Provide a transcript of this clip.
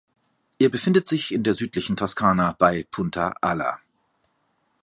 Er befindet sich in der südlichen Toskana bei Punta Ala.